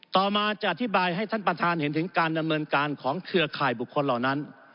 ต่อมาจะอธิบายให้ท่านประธานเห็นถึงการดำเนินการของเครือข่ายบุคคลเหล่านั้น